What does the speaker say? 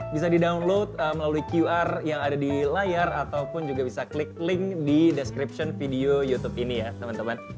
bisa di download melalui qr yang ada di layar ataupun juga bisa klik link di description video youtube ini ya teman teman